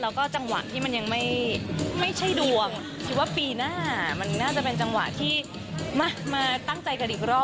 เอาจากตอนนี้อายุเท่าก็มีกันได้